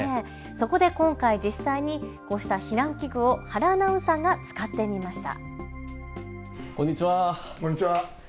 そこで今回実際にこうした避難器具を原アナウンサーが使ってみました。